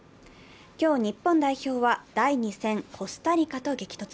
今日、日本代表は第２戦、コスタリカと激突。